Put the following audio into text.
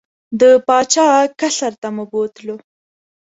د پاچا قصر ته مو بوتلو.